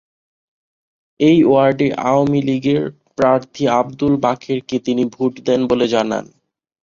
এই ওয়ার্ডে আওয়ামী লীগের প্রার্থী আবদুল বাকেরকে তিনি ভোট দেন বলে জানান।